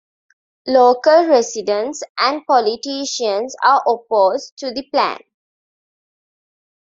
Local residents and politicians are opposed to the plan.